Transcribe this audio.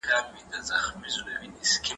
د سپوږمۍ کلي ته نه ورځي وګړي